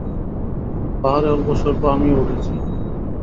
পাহাড়ে অল্পস্বল্প আমিও উঠেছি।